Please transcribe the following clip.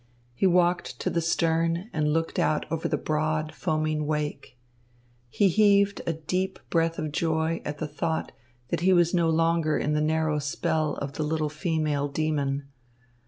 He walked to the stern and looked out over the broad, foaming wake. He heaved a deep breath of joy at the thought that he was no longer in the narrow spell of the little female demon.